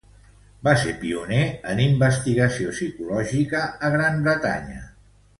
Va ser pioner en investigació psicològica a Gran Bretanya.